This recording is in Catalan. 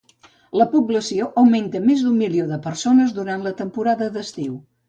La població augmenta més d'un milió de persones durant la temporada d'estiu.